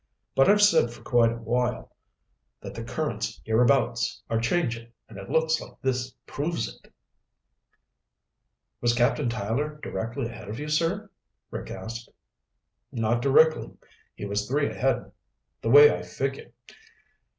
But I've said for quite a while that the currents hereabouts are changing and it looks like this proves it." "Was Captain Tyler directly ahead of you, sir?" Rick asked. "Not directly. He was three ahead, the way I figure.